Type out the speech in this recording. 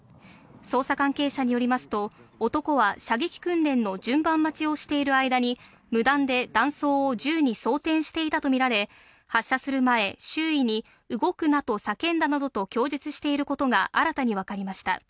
捜査関係者によりますと、男は射撃訓練の順番待ちをしている間に、無断で弾倉を銃に装填していたと見られ、発射する前、周囲に動くなと叫んだなどと供述していることが新たに分かりました。